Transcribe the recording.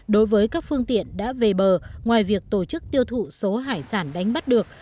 đối với các phương tiện đã về bờ ngoài việc tổ chức tiêu thụ số hải sản đánh bắt được